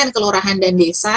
kelurahan dan desa